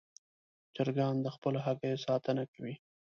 چرګان د خپلو هګیو ساتنه کوي.